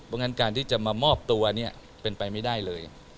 เพราะฉะนั้นการที่จะมามอบตัวเนี่ยเป็นไปไม่ได้เลย